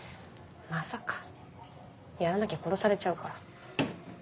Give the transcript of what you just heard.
まさかやらなきゃ殺されちゃうから。